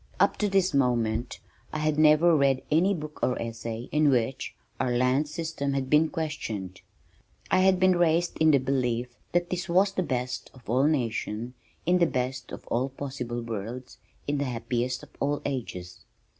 Up to this moment I had never read any book or essay in which our land system had been questioned. I had been raised in the belief that this was the best of all nations in the best of all possible worlds, in the happiest of all ages.